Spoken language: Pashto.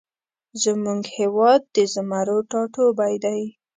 زمونږ هیواد د زمرو ټاټوبی دی